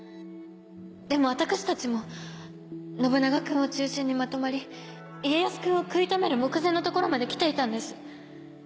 でも私たちも信長君を中心にまとまり家康君を食い止める目前のところまで来ていたんです。